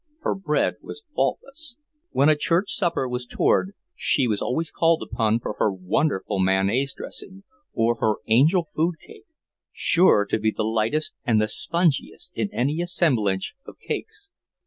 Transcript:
Her bread was faultless. When a church supper was toward, she was always called upon for her wonderful mayonnaise dressing, or her angel food cake, sure to be the lightest and spongiest in any assemblage of cakes.